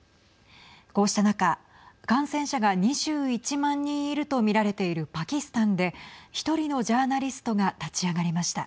こうした中、感染者が２１万人いると見られているパキスタンで１人のジャーナリストが立ち上がりました。